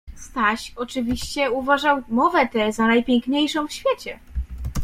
Staś, oczywiście, uważał mowę tę za najpiękniejszą w świecie.